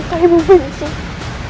atau ibu masih mencintai dia